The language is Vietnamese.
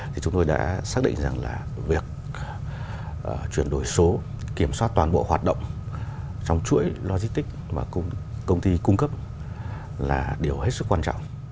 thì chúng tôi đã xác định rằng là việc chuyển đổi số kiểm soát toàn bộ hoạt động trong chuỗi logistics mà công ty cung cấp là điều hết sức quan trọng